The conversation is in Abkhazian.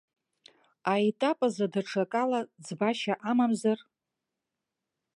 Аетап азы даҽакала ӡбашьа амамзар.